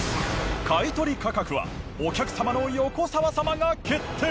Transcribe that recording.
買い取り価格はお客様の横澤様が決定！